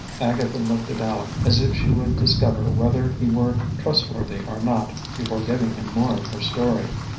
Agatha looked at Aleck, as if she would discover whether he were trustworthy or not, before giving him more of her story.